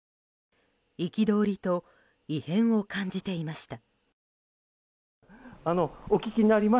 憤りと異変を感じていました。